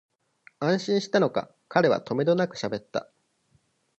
安心したのか、彼はとめどなくしゃべった